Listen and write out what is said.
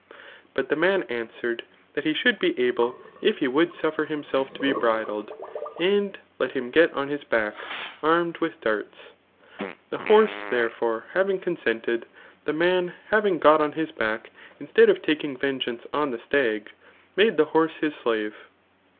But the man answered, that he should be able if he would suffer himself to be bridled, and let Jiim get on his back, armed with darta. The horse, therefore, having consented, the man, having got on his back^ in stead of taking vengeance i^' the stag, made the horse his s^ve.